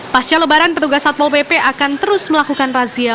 pasca lebaran petugas satpol pp akan terus melakukan razia